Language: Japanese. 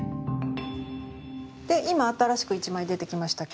で今新しく一枚出てきましたけれどもこれは？